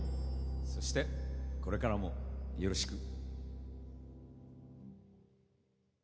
そしてこれからもよろしく！